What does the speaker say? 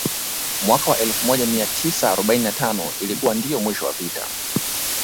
Mwaka wa elfu moj mia tisa arobaini na tano ilikuwa ndio mwisho wa vita